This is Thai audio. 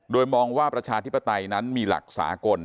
โดยมองว่าประชาธิปไตยนั้นมีหลักสากล